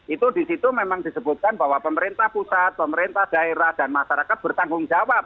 itu di situ memang disebutkan bahwa pemerintah pusat pemerintah daerah dan masyarakat bertanggung jawab